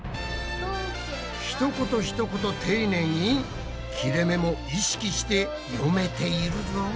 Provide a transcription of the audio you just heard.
ひと言ひと事丁寧に切れめも意識して読めているぞ。